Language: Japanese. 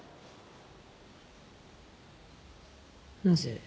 なぜ。